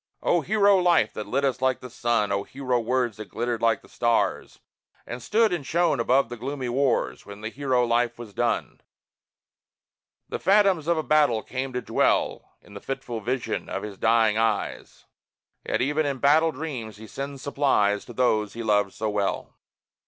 O hero life that lit us like the sun! O hero words that glittered like the stars And stood and shone above the gloomy wars When the hero life was done! The phantoms of a battle came to dwell I' the fitful vision of his dying eyes Yet even in battle dreams, he sends supplies To those he loved so well.